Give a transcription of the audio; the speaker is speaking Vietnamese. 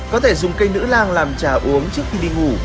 có thể dùng cây nữ lang làm trà uống trước khi đi ngủ